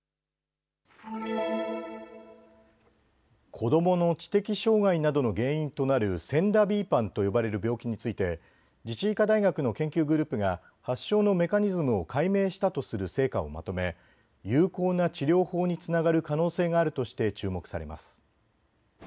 子どもの知的障害などの原因となるＳＥＮＤＡ／ＢＰＡＮと呼ばれる病気について自治医科大学の研究グループが発症のメカニズムを解明したとする成果をまとめ、有効な治療法につながる可能性があるとして注目されます。